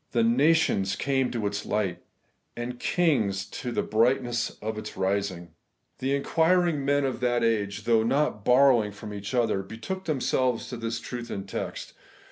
'The nations came to its light, and kings to the brightness of its rising.' The inquiring men of that age, though not bor rowing from each other, betook themselves to this truth and text.